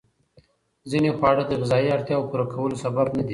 ځینې خواړه د غذایي اړتیاوو پوره کولو سبب ندي.